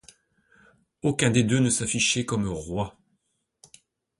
Aucun des deux ne s'affichait comme roi.